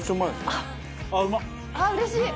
ああーうれしい。